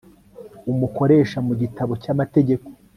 umukoresha mu gitabo cya mategeko